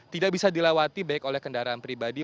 tidak bisa dilewati baik oleh kendaraan pribadi